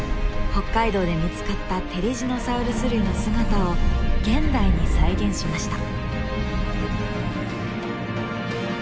北海道で見つかったテリジノサウルス類の姿を現代に再現しました。